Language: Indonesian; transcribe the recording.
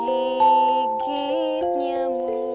ketika kita berdua berdua